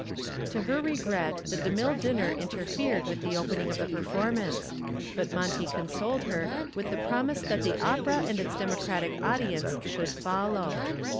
To her regret the DeMille dinner interfered with the opening of the performance, but Monty consoled her with the promise that the opera and its democratic audience should follow.